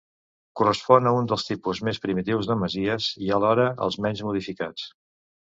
Correspon a un dels tipus més primitius de masies i alhora als menys modificats.